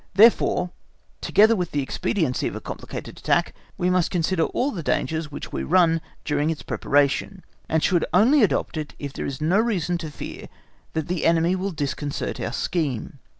Therefore, together with the expediency of a complicated attack we must consider all the dangers which we run during its preparation, and should only adopt it if there is no reason to fear that the enemy will disconcert our scheme.